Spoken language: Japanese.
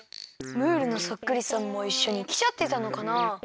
ムールのそっくりさんもいっしょにきちゃってたのかな？